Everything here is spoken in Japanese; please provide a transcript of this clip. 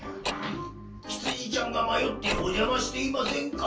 ひつじちゃんがまよっておじゃましていませんか？